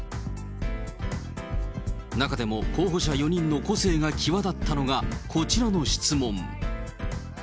中でも候補者４人の個性が際立ったのが、こちらの質問。